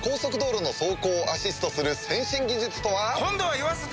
今度は言わせて！